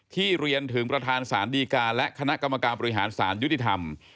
เรียนถึงประธานศาลดีการและคณะกรรมการบริหารสารยุติธรรม